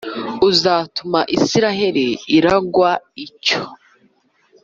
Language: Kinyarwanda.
uzatuma Isirayeli iragwa icyo